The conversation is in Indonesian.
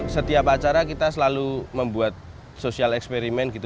setiap acara kita selalu membuat sosial eksperimen gitu